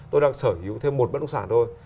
tôi đang sở hữu thêm một bất động sản thôi